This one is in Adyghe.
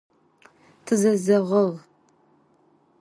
Тызэзэгъыгъ.